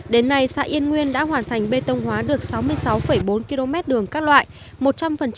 đến nay xã yên nguyên đã hoàn thành bê tông hóa được sáu mươi sáu bốn km đường các loại